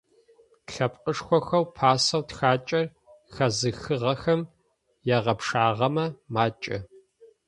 Лъэпкъышхохэу пасэу тхакӏэр хэзыхыгъэхэм ягъэпшагъэмэ - макӏэ.